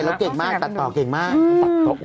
เราต้องสนับสนุน